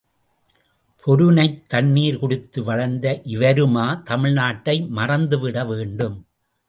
பொருநைத் தண்ணீர் குடித்து வளர்ந்த இவருமா தமிழ் நாட்டை மறந்துவிட வேண்டும்?